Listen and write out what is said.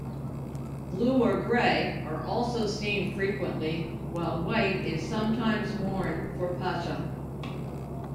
Blue or grey are also seen frequently, while white is sometimes worn for Pascha.